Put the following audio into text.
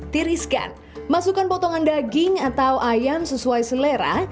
tiriskan masukkan potongan daging atau ayam sesuai selera